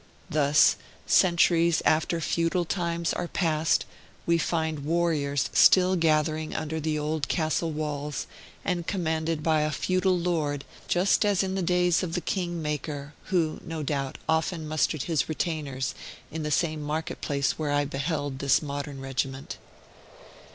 Thus, centuries after feudal times are past, we find warriors still gathering under the old castle walls, and commanded by a feudal lord, just as in the days of the King Maker, who, no doubt, often mustered his retainers in the same market place where I beheld this modern regiment.